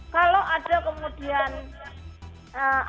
kalau ada kemudian anak yang dibawa ke rumah